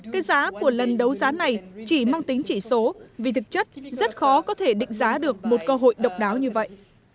cái giá của lần đấu giá này chỉ mang tính chỉ số vì thực chất rất khó có thể định giá được một cơ hội độc đáo như vậy